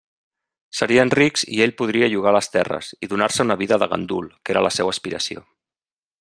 Serien rics i ell podria llogar les terres i donar-se una vida de gandul, que era la seua aspiració.